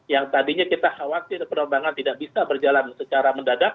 yang tadinya kita khawatir penerbangan tidak bisa berjalan secara mendadak